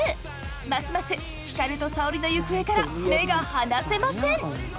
ますます光と沙織の行方から目が離せません！